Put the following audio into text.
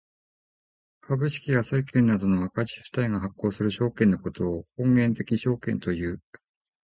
株式や債券などの赤字主体が発行する証券のことを本源的証券という。